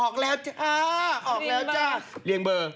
ออกแล้วจ้ะเลี่ยงเบอร์